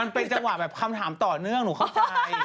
มันเป็นจังหวะแบบคำถามต่อเนื่องหนูเข้าใจ